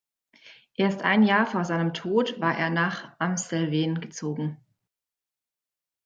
Erst ein Jahr vor seinem Tod war er nach Amstelveen gezogen.